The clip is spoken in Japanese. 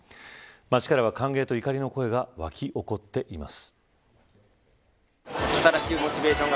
街からは歓迎と怒りの声が沸き起こっています。